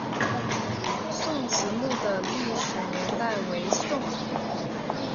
宋慈墓的历史年代为宋。